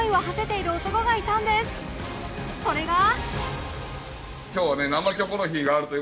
それが